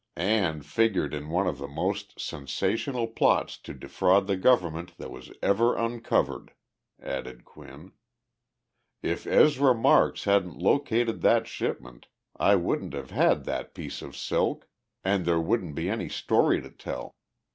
"And figured in one of the most sensational plots to defraud the government that was ever uncovered," added Quinn. "If Ezra Marks hadn't located that shipment I wouldn't have had that piece of silk and there wouldn't be any story to tell.